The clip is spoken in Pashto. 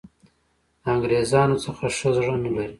د انګرېزانو څخه ښه زړه نه لري.